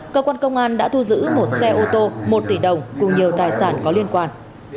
cơ quan công an đã thu giữ một xe ô tô một tỷ đồng cùng nhiều tài sản có liên quan